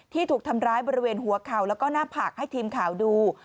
ถูกทำร้ายบริเวณหัวเข่าแล้วก็หน้าผากให้ทีมข่าวดู